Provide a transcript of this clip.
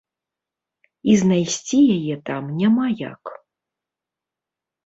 І знайсці яе там няма як.